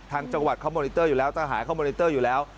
จังหวัดเขามอนิเตอร์อยู่แล้วทหารเข้ามอนิเตอร์อยู่แล้ว